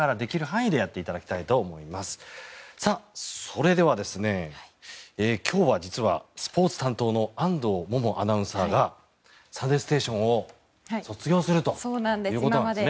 それでは、今日は実はスポーツ担当の安藤萌々アナウンサーが「サンデーステーション」を卒業するということなんですね。